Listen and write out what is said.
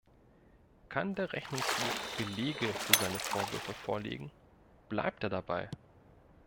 Kann der Rechnungshof Belege für seine Vorwürfe vorlegen, bleibt er dabei?